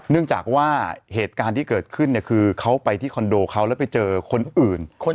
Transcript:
เนื่องจากว่าเหตุการณ์ที่เกิดขึ้นคือเขาไปที่คอนโดเขาแล้วไปเจอคนอื่น